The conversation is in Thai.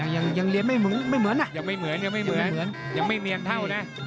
ยังเหลียนไม่เหมือนนะยังไม่เหมือนยังไม่เหมียนเท่าน่ะ